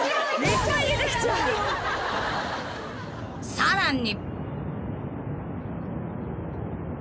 ［さらに］